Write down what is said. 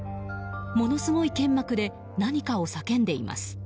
ものすごい剣幕で何かを叫んでいます。